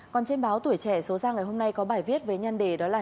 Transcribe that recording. còn trên báo tuổi trẻ số ra ngày hôm nay có bài viết với nhân đề đó là